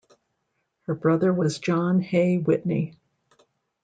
Her brother was John Hay Whitney.